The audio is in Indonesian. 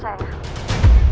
ada apa ya telepon saya